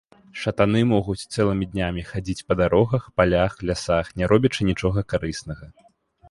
Шатаны могуць цэлымі днямі хадзіць па дарогах, палях, лясах, не робячы нічога карыснага.